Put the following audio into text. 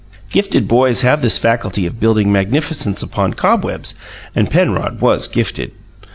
Gifted boys have this faculty of building magnificence upon cobwebs and Penrod was gifted.